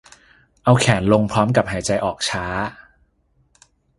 เอาแขนลงพร้อมกับหายใจออกช้า